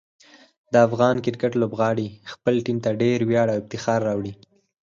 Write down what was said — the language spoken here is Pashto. د افغان کرکټ لوبغاړي خپل ټیم ته ډېر ویاړ او افتخار راوړي.